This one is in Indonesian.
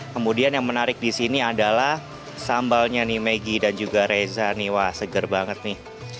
kemudian yang menarik di sini adalah sambalnya nih maggie dan juga reza nih wah seger banget nih